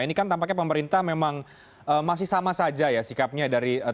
ini kan tampaknya pemerintah memang masih sama saja ya sikapnya dari terakhir yang disampaikan luar biasa